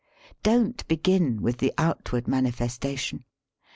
Don't begin with the outward manifestation.